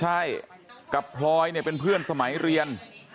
ใช่กับพลอยเนี่ยเป็นเพื่อนสมัยเรียน